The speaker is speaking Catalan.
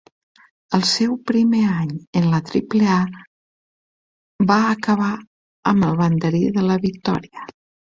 El seu primer any en la Triple A va acabar amb el banderí de la victòria.